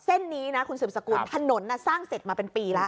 เส้นนี้นะคุณสืบสกุลถนนสร้างเสร็จมาเป็นปีแล้ว